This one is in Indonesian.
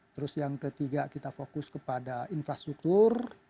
terus yang ketiga kita fokus kepada infrastruktur